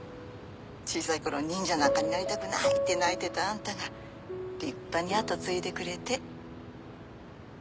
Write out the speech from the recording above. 小さいころ「忍者なんかになりたくない！」って泣いてたあんたが立派に跡継いでくれて。